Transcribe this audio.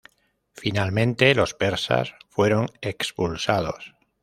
Finalmente, los persas fueron expulsados.